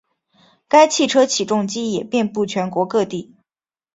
该汽车起重机也遍布全国各地。